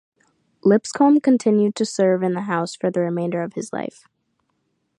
Lipscomb continued to serve in the House for the remainder of his life.